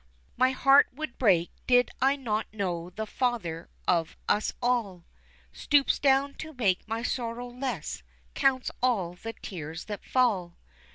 My heart would break did I not know the Father of us all Stoops down to make my sorrow less, counts all the tears that fall.